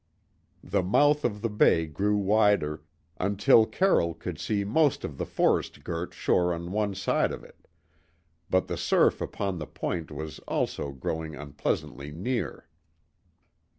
The mouth of the bay grew wider, until Carroll could see most of the forest girt shore on one side of it; but the surf upon the point was also growing unpleasantly near.